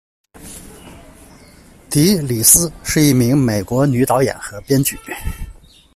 迪·里斯是一名美国女导演和编剧。